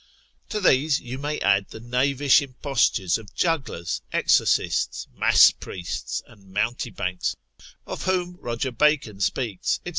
To these you may add the knavish impostures of jugglers, exorcists, mass priests, and mountebanks, of whom Roger Bacon speaks, &c.